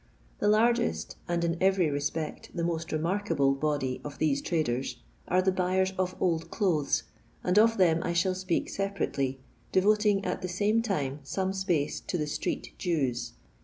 The largest, and, in every respect, the most icmarkable body of these traders, are the buyers of old clothes, and of them I shall speak sepa rately, devoting at the same time some space to the Stbiet Jsw8.